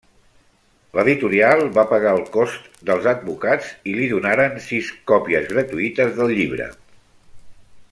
L'editorial va pagar els costs dels advocats i li donaren sis còpies gratuïtes del llibre.